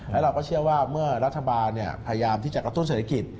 และเราก็เชื่อว่าเมื่อรัฐบาลพยายามที่จะกระตุ้นเศรษฐกิจ